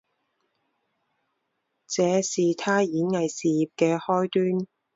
这是她演艺事业的开端。